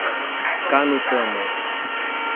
Canutama